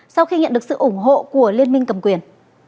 sau khi nhận được sự ủng hộ của liên minh cầm quyền